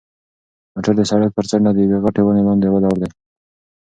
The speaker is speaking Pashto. موټر د سړک پر څنډه د یوې غټې ونې لاندې ولاړ دی.